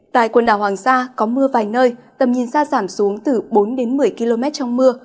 tại quần đảo hoàng sa có mưa vài nơi tầm nhìn xa giảm xuống từ bốn đến một mươi km trong mưa